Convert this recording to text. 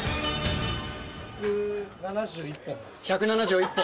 １７１本。